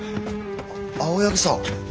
青柳さん。